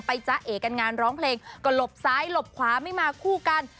จ๊ะเอกกันงานร้องเพลงก็หลบซ้ายหลบขวาไม่มาคู่กัน